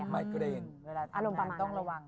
ก็ได้เห็นเวลาทำงานต้องระวัง